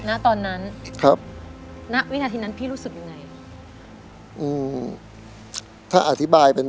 ณตอนนั้นครับณวินาทีนั้นพี่รู้สึกยังไงอืมถ้าอธิบายเป็น